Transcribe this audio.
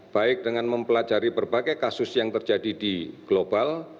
baik dengan mempelajari berbagai kasus yang terjadi di global